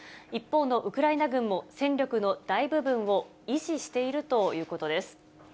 一方のウクライナ軍も、戦力の大部分を維持しているということです。